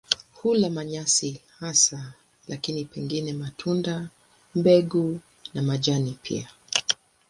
Hula manyasi hasa lakini pengine matunda, mbegu na majani pia.